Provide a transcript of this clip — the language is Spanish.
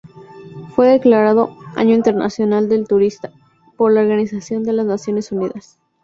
Fue declarado "Año Internacional del Turista" por la Organización de las Naciones Unidas.